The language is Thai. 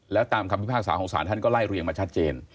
แล้วตามคำพิพากษาของศาลท่านก็ไล่เรียงมาชัดเจน